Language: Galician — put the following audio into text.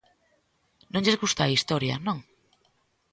¿Non lles gusta a historia, non?